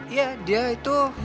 iya dia itu